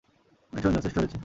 মিঠুন, যথেষ্ট হয়েছে।